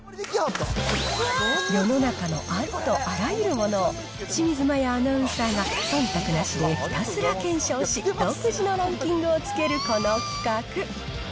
世の中のありとあらゆるものを清水麻椰アナウンサーがそんたくなしでひたすら検証し、独自のランキングをつけるこの企画。